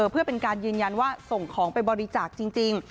เพื่อเป็นการยืนยันว่าส่งของไปบริจาคจริง